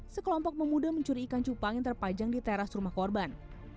sekelompok pemuda mencuri ikan cupang yang terpajang di teras rumah korban